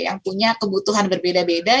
yang punya kebutuhan berbeda beda